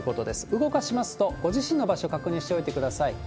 動かしますと、ご自身の場所、確認しておいてください。